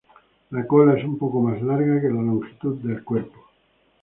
La cola es un poco más larga que la longitud del cuerpo.